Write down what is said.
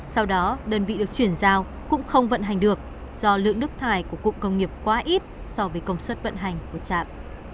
sau đó đơn vị được chuyển giao cũng không vận hành được do lượng nước thải của cụm công nghiệp quá ít so với công suất vận hành của trạm